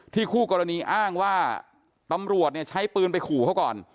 คู่กรณีอ้างว่าตำรวจเนี่ยใช้ปืนไปขู่เขาก่อน